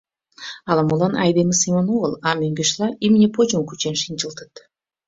Ала-молан айдеме семын огыл, а мӧҥгешла, имне почым кучен шинчылтыт.